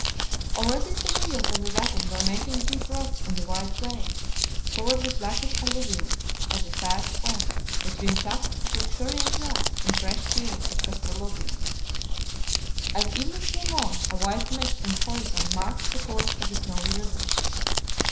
Already the wheels of the wagon were making deep ruts on the wide plains, covered with blackish alluvium, as it passed on between tufts of luxuriant grass and fresh fields of gastrolobium. As evening came on, a white mist on the horizon marked the course of the Snowy River.